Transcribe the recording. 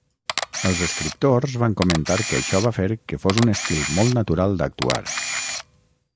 Els escriptors van comentar que això va fer que fos un estil molt natural d'actuar.